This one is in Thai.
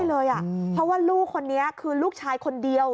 เพราะว่าลูกคนนี้คือลูกชายคนเดียว